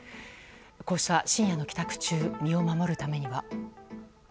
こうした深夜の帰宅中身を守るためには。